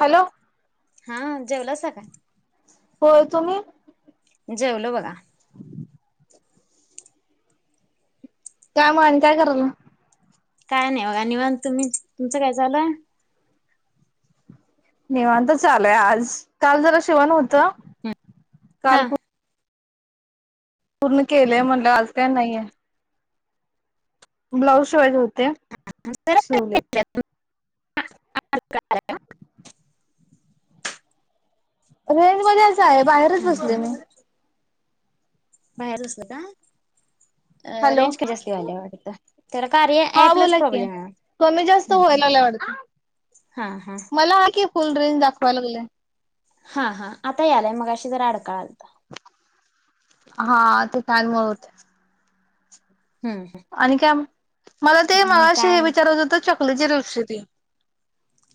Hello. हा जेवलासा का? होय. तुम्ही? जेवलो बघा. [inaudible] काय मग आणि काय करायलाय? काय नाही बघा, निवांत. तुम्ही, तुमचं काय चालू आहे? निवांत चालू हाय आज. काल जरा शिवण होत. काल हा पूर्ण केलेय म्हणल्यावर आज काय नाहीये. ब्लाऊज शिवायचे होते. शिवले. [inaudible] [inaudible] गॅलरी मध्येच आहे, बाहेरच बसले मी. बाहेर बसला का? अ हॅलो रेंज कमी जास्त व्हायलय वाटत, त्याला कार्या हा ॲपलाच बोला की प्रॉब्लेम आहे. कमी जास्त ह ह. व्हायला लागलंय वाटतं हा हा. मला हा की फुल रेंज दाखवाय लागले. हा हा आता यालाय मगाशी मगाशी जरा अडकाळलत. हा त्याच्यामुळे. हम्म आणि काय मग? मला ते काय मगाशी आणि विचारायचं होत चप् औषधे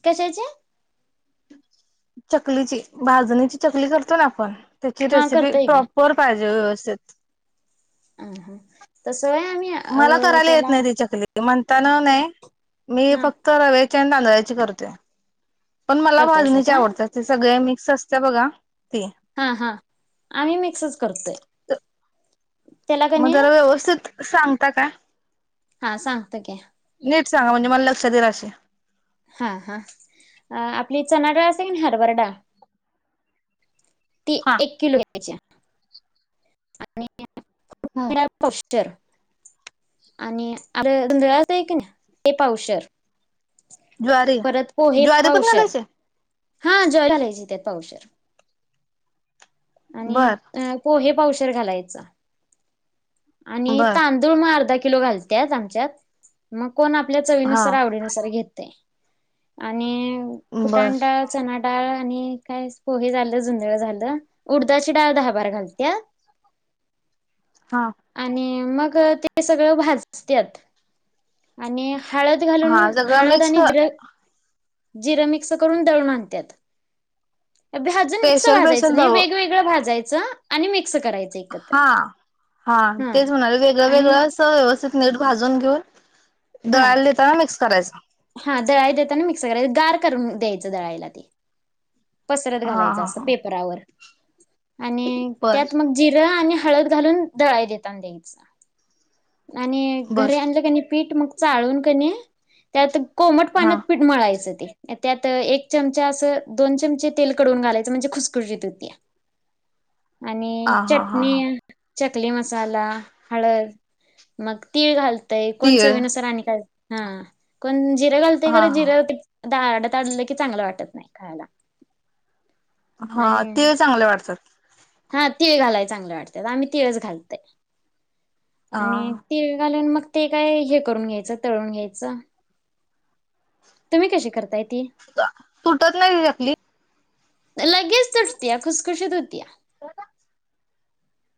कशाचे? चकलीची, भाजणीची चकली करतो ना आपण त्याची हा रेसिपी करतोय की प्रॉपर पाहिजे व्यवस्थित अस होय आम्ही अ मला करायला येत त्याला नाही ती चकली म्हणताना नाही. मी हा फक्त रव्या तांदळाची करतोय पण मला करतायसा भाजणीची का आवडतात, ते सगळे मी सस्त्या बघा ती हा हा आम्ही मिक्सच करतोय. त्याला मग कणी जरा व्यवस्थित सांगता का? हा सांगत की. नीट सांगा म्हणजे मला लक्षात येईल असे? हा हा आपली चना डाळ असते की नाही. हरबरा डाळ. ती हा एक किलो घ्यायचीया. आणि [unintelligible] र आणि अरे.. आहे की नाही ते पावशेर. ज्वारी. परत पोहे ज्वारी पण पावशेर घालायचीये? हा ज्वारी घालायची त्यात पावशेर आणि बर पोहे पावशेर घालायच. आणि बर तांदूळ म अर्धा किलो घालत्यात आमच्यात मग कोण आपल्या हा चवीनुसार आवडीनुसार घेत? ते आणि बर फुटान डाळ चना डाळ आणि काय पोहे झालं. जुंजळ झालं. उडदाची डाळ, हरबरा डाळ घालत्या हा आणि मग ते सगळं भाजतत्यात. आणि हळद घालून. हा सगळं हळद मिक्स आणि जिर मिक्स करून दळून आणत्यात भाजून मिक्स स्पेशल भाजयच स्पेशल नाही. दव वेगवेगळ भाजायच. च.. आणि मी कस करायच एकत्र? ह हा तेच म्हणाले. वेगळ वेगळ आणि अस व्यवस्थित नीठ भाजून घेऊन हा दलान तेव्हा मिक्स करायच. हा दळाय देतांना मिक्स करायच. गार करून द्यायच दळायला ते. पसरत हा घालायच हा अस हा पेपरावर. आणि बर त्यात मग जिर आणि हळद घालून दळाय देताना देयच. आणि बर घरी आणल कणी पीठ मग चाळून कणी त्यात कोमट हा पाण्यात पीठ मळायच. त्यात एक चमचा अस दोन चमचे तेल कडवून घालायच म्हणजे खुसखुशीत होती. आणि हा हा हा हा चटणी चकली मसाला हळद मग तीळ घाल तय कोण तीळ चवीन नुसार आणि काय हा कोण जिर घालते हा कारण हा जिर [unintelligible] की चांगलं वाटत नाही खायला. हा आणि तीळ चांगले वाटतात. हा तिळ घालाय चांगले वाटतात आम्ही तिळच घालतय. हा आणि तीळ घालून मग ते काय हे करून घ्यायचं तळून घ्यायचं तुम्ही कशी करताय ती तुटत नाही ती चकली. लगेच तुटतेया कुसकशीत होती या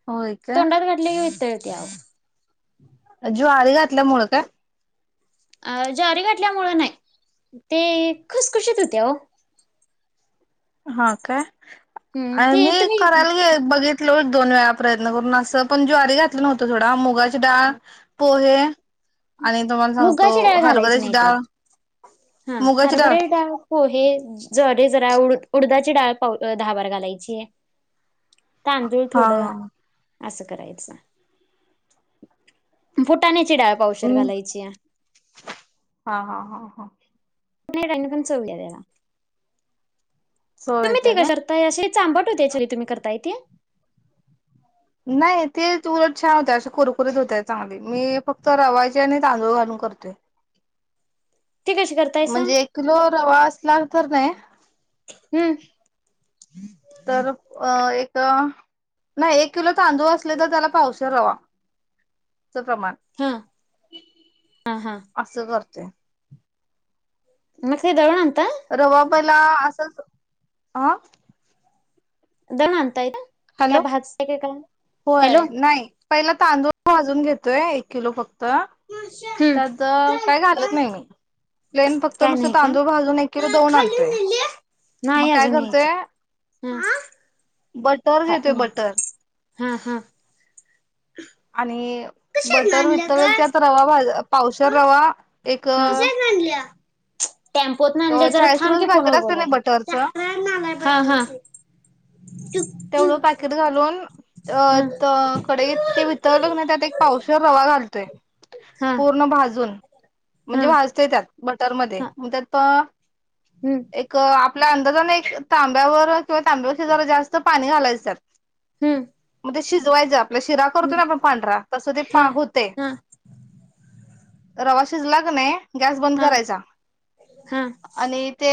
होय का तोंडात घातली की वितळ ते ओ. ज्वारी घातल्या मुळ का. अ ज्वारी घाठल्यामुळं नाही ते खुसखुशीत होते हो हा काय. अ ते मी तुम्ही करायला घे बघित लोत दोन वेळा प्रयत्न करून असं पण ज्वारी घातलं नवतं थोडा मुगा डाळ पोहे आणि तुम्हाला सांगतो मुगाची डाळ घालायची हरभऱ्याची नाही डाळ त्यात हा हरबरेल डाळ पोहे ज्वारी जरा उड उडदाची डाळ पाव दहा बार घालायची आहे. तांदूळ हा थोडं. हा असं करायचं फुटानेचि डाळ पाव हम् हा हा हा हा [unintelligible] सो येते का [unintelligible] [unintelligible] नाही ते उलट छान होत अ असे कुरकुरीत होतय चांगली मी फक्त रवायचे आणि तांदूळ घालून करते. ती कशी करतायसा? म्हणजे एक कीलो रवा असला तरनाय हम्म तर. अ एक. नाही एक किलो तांदूळ असले तर त्याला पावसे रवा. प्रमाण हा हा हा असं करत. ते. मग दवडंत [unintelligible] रवा पला असंच ह. दव अंतयता. हॅलो हॅलो होय नाही पहिल तांदुळ. अजून घेतोय एक किलो फक्त. हम्म. त्यात काय घालत नाही मी. प्लेन फक्त काय नाही नुसत का? तांदूळ भाजून एक किलो दोन आणतोय, मग नाही काय अजून करतोय न्यायची हा बटर घेतोय हा बटर. हा. आणि कशातन बटर आणल्या वितत ग व त्यात रवा भाज. पावसा हं रवा एक. ह [unintelligible] टेम्पोत नाही आणल्या जरा चाळीस थांब रुपयाच की पॅकेट फोनवर असते ना बोलायला. बटरचं तेवढं पॅकेट घालून अ कडे ते वितळलं की नाही त्यात एक पावशीवर रवा घाल. ते. हा हा हा पूर्ण भाजून. हा म्हणजे वाजतोय त्यात. बटरमध्येध्ये हा मग त्यात प हम्म एक आप आपल्या अंदाजानने एक तांब्यावर किंवा तांब्यावर जरा जास्त पाणी घालायच त्यात. हम्म. शिजवायच शिरा करतो हम्म ना आपण पांढरा तस ते हा पा होते. हा रवा शिजला का नाही? गॅस बंद हा करायचा, हा आणि ते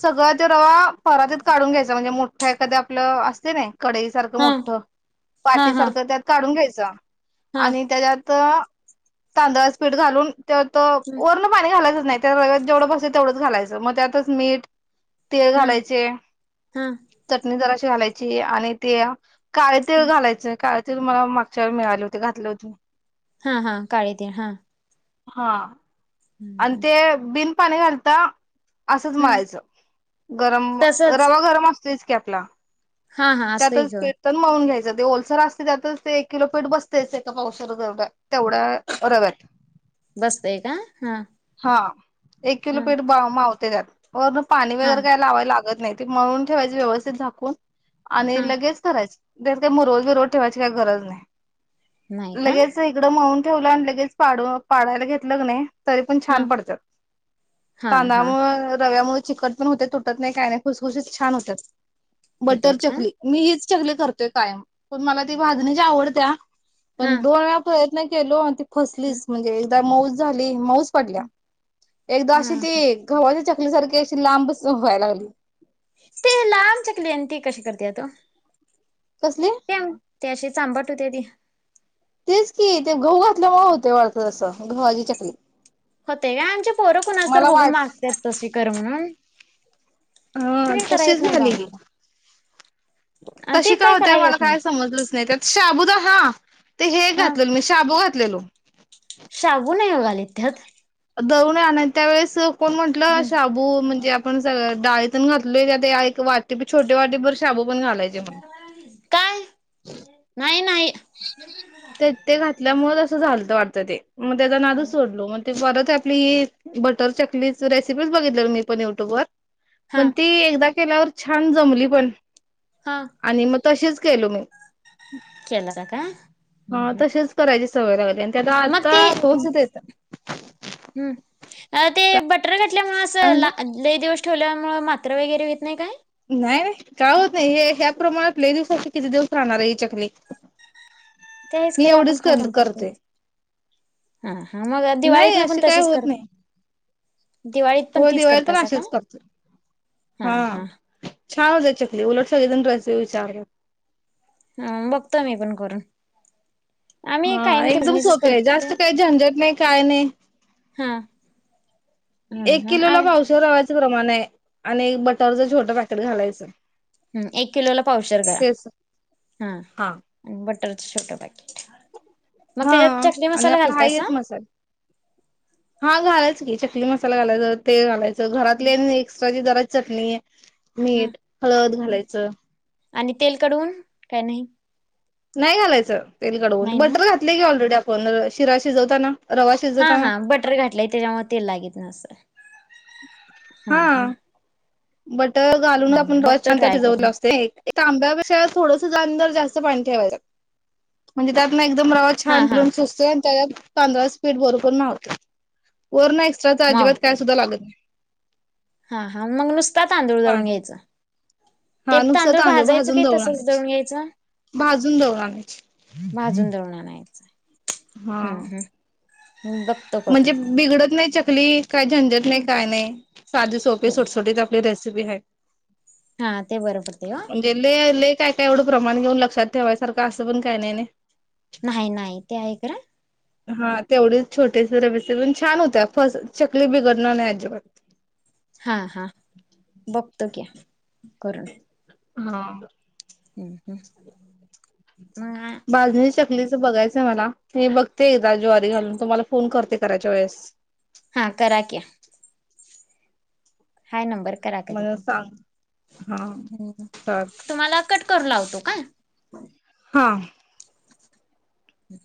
सगळं ते रवा परातीत काढून घ्यायचा म्हणजे मोठ एखाद्या आपलं असते ना. कडई सारखं हा हा मोठं, हा पाटी हा सारखं त्यात काढून घ्यायचं. जा आणि त्याच्यात तांदळच पीठ घालून ते वरण पाणी घालायचं. नाही त्या रव्यात जेवढ बसल तेवढंच घालायचं मग त्यातच मीठ तेल हा घालायचे. हा जराशी घालायची आणि ते काळे तीळ घालायचंय काळ ते मला मागच्यावर मिळाले होते घातले होते मी. हा हा काळे तीळ हा हा आणि ते हम्म बिन पाणी घालता असंच माळायचं गरम तसच रवा गरम असता तीच की आपला हा हा असतोय त्यातच की होय कीर्तन मळून घ्यायचं. ते ओलसर असते त्यातच ते एक किलो पीठ बसतय एका पावशेर जवढ्या तेवढ्या रव्यात. बसतय का हा. हा एक किलो हा पीठ मावतंय. त्याच्याच वरन पाणी हा वगैरे काही लावाय लागत नाही. ते मळून ठेवायचे व्यवस्थित झाकून आणि हा लगेच करायच त्यात काही मुरवत बीरवत ठेवायची काय गरज नाही नाही का लगेच इकडं मळून ठेवलं आणि लगेच पडायला घेतलं कनाय पण हा छान पडतात हा हा तांदमुळे रव्यामुळे चिकट पण होते तुटत नाही काय नाही खुसखुशीत छान होतात बटर होत्यात का चकली मी हिच चकली करतेय कायम पण मला ती भाजणी ची आवडत्या हा पण दोन व्याप नाही केलो फसलीच म्हणजे मऊ झाले मऊ एकदा अशी हा ती गव्हाच्या टली सारखी अशी लांबच व्हाय लागली. ते लांब चकली ती कशी करत्यात? कसली त्या त्याशी चांबट होते ती? तेच की ते गहू घातल्यामुळे होते वाळत तसं गवाची चकली. होते का आमचे पोरं कुणास तर मला बघून वाट मागतेात तशी कर म्हणून. हा ते काय कराय तशीच येत नाही बा झाली ती. आम्हाला तशी ते काय होत कराय मला येत नाही काय समजलंच नाही त्या शाबूद हा. ते हे हा घातलं मी शाबू घात घातलेलं. शाबू नाही ओ घालीत त्यात. दळून आणत त्यावेळेस. कोण म्हंटलं शाबू म्हणजे आपण स डाळीतण घात लेले ते एक वाटी छोटे वाटे भर शाबू. पण घालायचे म्हणून काय नाही नाही. ते ते घातल्यामुळे असं झालत वाटत ते मग त्याचा नादू सोडलो मग ते परत आपली. बटर चकली रेसिपी बघित मी पण युट्यूब वर. हा मण ती एकदा केल्यावर छान जमली पण. हा आणि मग. तसेच. केलो मी. केला का हा तसेच करा त्याची सवय लागाय त्या आता खोस येतय. हम्, अ ते बटर घातल त्यामुळ काय असं म्हणला ला लय दिवस ठेवल्यावर. मुळे मात्र वगैरे येत नाही काय? नाही नाही काय होत नाही हे ह्या प्रमाणातले दिवसाचे किती दिवस राहणार आहे ही चकली. त्याहीच मी खरं आपण एवढीच खाऊन कर करते संवत हा हा मग दिवाळीत नाही ना पण असे काही तशीच होत करत नाही दिवाळीत पण होय तीच दिवाळीत पण करतासा का? असेच करतो हा हा. सगळी जण रेसिपी विचारत. हम बघतोय मी पण करून. आम्ही हा कायम ते एकदम बिझनेसच सोपे आहे, करतोय जास्त काही झंझट नाही, काय नाही हा हा एक हा किलो ला आम्ही पावशर रवा. प्रमाण आहे आणि एक बटरचं छोटं पॅकेट घालायचं. एक किलोला पावशर करा, तेच हा बट छोट पाकीट. हा आणि आपला हायच मसाल हा घालायच. चटनी मसाला घालायच तेल घालायचं. घरातल्या एक्स्ट्राची जरा चकली. हा मीठ हळद घालायचं. आणि तेल कडऊन काय नाही. नाय घालायचं. तेल कडवून नाही नव्ह बटर घातले, की ऑलरडी आप पधर शिराशी जवता ना. हा हा बटर घाातलं त्याच्यामुळे तेल लागीत नाही अस. हम् हम्. ब बटर घालून आपण छान त्यात शिजवलं करून असतोय ताब्यापेक्षा थोडांस जास्त पाणी ठेवायचं म्हणजे त्यांतन एकदम रावा हा छान हा बून सुचते. त्याज्यात तांदळाचं पीट बरोबर माप, वर नाही. कचा अजिबात काय मावतय सुद्धा लागत नाही. हा. हा मग नुसतात तांदुळ जळून पाणी घ्यायचं. हा नुसत तांदुळ भाजून दळुन तसंच आनायची दळून घ्यायचं भाजून दळून आनायची. भाजून [unintelligible] दळून आणायचं. हा. हम्म हम्म बघतो करून. म्हणजे बिघडत नाही च कली. काय झंझट नाही, काय नाही साधे सोपी सुटसुटीत आपली रे सीपी आहे. हा ते बरं पडते हो. म्हणजे लय लय काय काय एवढं प्रमाण घेऊन लक्षात ठेवायसारं असं पण काय नाही नाही. नाही नाही ते आहे खरं. हा तेवढी छोटेस [unintelligible] छान होत्या फस चकली बिघडणार नाही अजिबात. हा हा बघतो कि करून. हा. हम्म हम्म मग भाजणी चक लीच बघायचंय मला मी बघते एकदा ज्वारी घालून तुम्हाला फोन करते करायच्या वेळेस. हा करा कि. हाय नंबर करा कधी मला सांग हा पण ह चाल तुम्हाला कट करू लावतो काय. हा. ह.